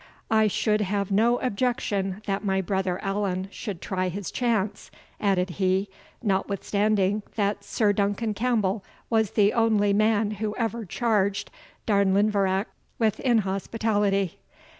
"I should have no objection that my brother Allan should try his chance," added he, "notwithstanding that Sir Duncan Campbell was the only man who ever charged Darnlinvarach with inhospitality.